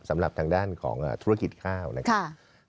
สำหรับทางด้านของธุรกิจข้าวนะครับ